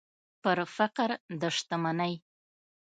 پر فقر د شتمنۍ